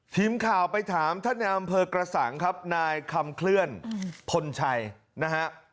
ทีมข่าวไปถามท่านในอำเภอกระสังครับนายคำเคลื่อนพลชัยนะฮะ